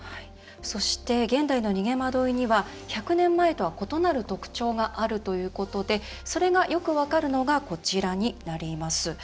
そして現代の逃げ惑いには１００年前とは異なる特徴があるということでそれがよく分かるのがこちらになります。